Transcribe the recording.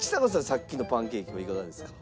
さっきのパンケーキはいかがですか？